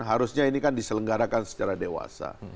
harusnya ini kan diselenggarakan secara dewasa